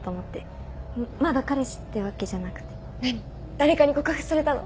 誰かに告白されたの？